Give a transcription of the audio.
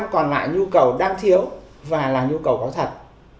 chín mươi còn lại nhu cầu đang thiếu và là nhu cầu có thật